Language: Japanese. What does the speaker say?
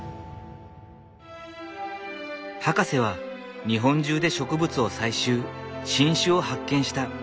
博士は日本中で植物を採集新種を発見した。